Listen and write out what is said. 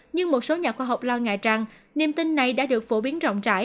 nhưng một số nhà khoa học lo ngại rằng niềm tin này đã được phổ biến rộng rãi